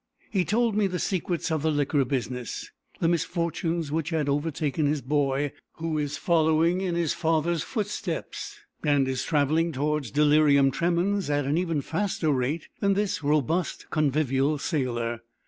He told me the secrets of the liquor business, the misfortunes which had overtaken his boy who is following in his father's footsteps, and is travelling towards delirium tremens at even a faster rate than this robust, convivial sailor.